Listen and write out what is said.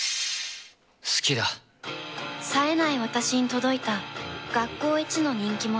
さえない私に届いた学校一の人気者